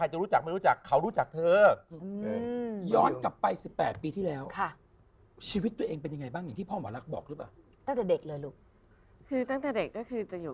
แต่คือเหมือนความสัมพันธ์ที่ต่างคนต่างอยู่